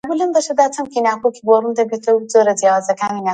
ئەگەر نەیەوێ بە پێکەنینەوە دەڵێ: